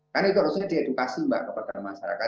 karena itu harusnya diedukasi mbak kepada masyarakat